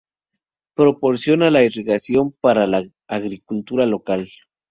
Proporciona la irrigación para la agricultura local.